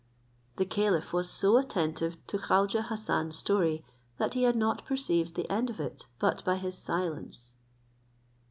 The caliph was so attentive to Khaujeh Hassan's story, that he had not perceived the end of it, but by his silence.